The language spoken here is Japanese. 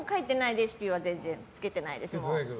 レシピはつけてないです。